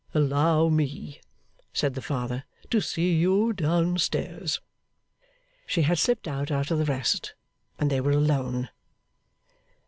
'Allow me,' said the Father, 'to see you down stairs.' She had slipped out after the rest, and they were alone.